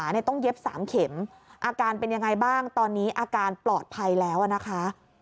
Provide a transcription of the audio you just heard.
อาการเป็นยังไงบ้างตอนนี้อาการปลอดภัยแล้วนะคะ